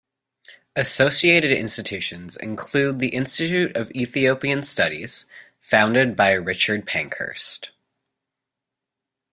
Associated institutions include the Institute of Ethiopian Studies, founded by Richard Pankhurst.